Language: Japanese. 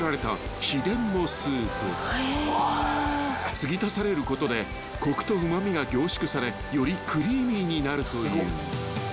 ［継ぎ足されることでコクとうま味が凝縮されよりクリーミーになるという］